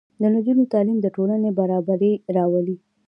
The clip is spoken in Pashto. د نجونو تعلیم د ټولنې برابري راولي.